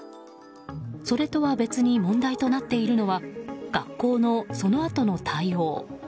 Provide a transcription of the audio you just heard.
それとは別に問題となっているのは学校のそのあとの対応。